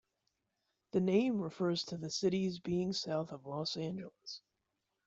The name refers to the city's being south of Los Angeles.